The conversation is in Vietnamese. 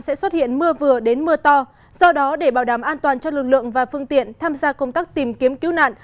sẽ xuất hiện mưa vừa đến mưa to do đó để bảo đảm an toàn cho lực lượng và phương tiện tham gia công tác tìm kiếm cứu nạn